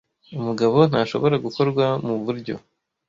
Umugabo ntashobora gukorwa muburyo.